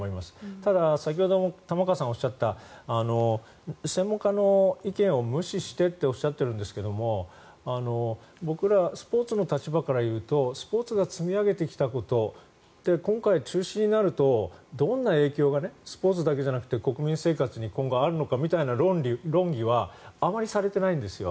ただ、先ほども玉川さんがおっしゃった専門家の意見を無視してとおっしゃっているんですけどもスポーツの立場から言うとスポーツが積み上げてきたこと今回、中止になるとどんな影響がスポーツだけじゃなくて国民生活に今後、あるのかみたいな論議はあまりされていないんですよ。